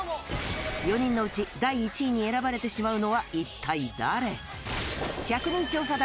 ４人のうち第１位に選ばれてしまうのは一体誰？